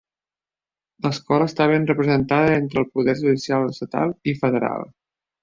L'escola està ben representada entre el poder judicial estatal i federal.